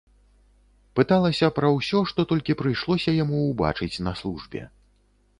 Пыталася пра ўсё, што толькі прыйшлося яму ўбачыць на службе.